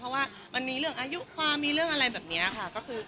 เพราะว่ามันมีเรื่องอายุความมีเรื่องอะไรแบบนี้ค่ะ